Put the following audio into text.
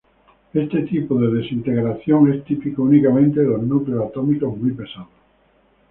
Este tipo de desintegración es típico únicamente de los núcleos atómicos muy pesados.